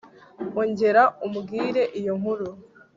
ongera umbwire iyo nkuru